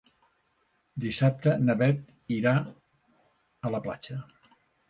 Dissabte na Beth irà a la platja.